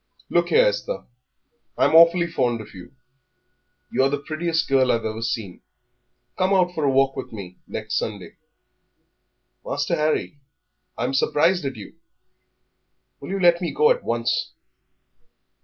"Look here, Esther, I'm awfully fond of you. You are the prettiest girl I've ever seen. Come out for a walk with me next Sunday." "Master Harry, I'm surprised at you; will you let me go by at once?"